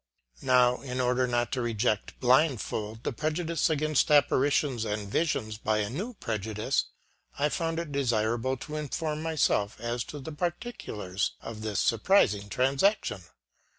Now, in order not to reject blindfold the prejudice against apparitions and visions by a new prejudice, I found it desirable to inform myself as to the particulars of this surprising transaction.